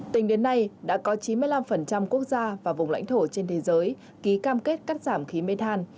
tính đến nay đã có chín mươi năm quốc gia và vùng lãnh thổ trên thế giới ký cam kết cắt giảm khí mê than